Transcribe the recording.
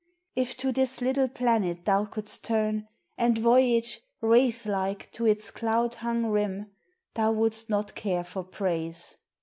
If to this little planet thou couldst turn And voyage, wraithlike, to its cloud hung rim, Thou wouldst not care for praise.